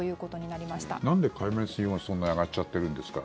なんで海面水温はそんなに上がっちゃってるんですか？